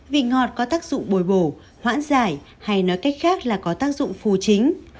vị ngọt có tác dụng bồi bổ hoãn giải hay nói cách khác là có tác dụng phù chính